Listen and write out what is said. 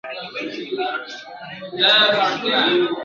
د شمشاد له هسکو څوکو، د کنړ له مسته سینده !.